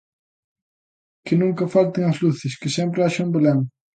Que nunca falten as luces, que sempre haxa un belén.